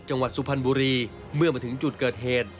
สุพรรณบุรีเมื่อมาถึงจุดเกิดเหตุ